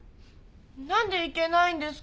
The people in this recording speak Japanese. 何で行けないんですか？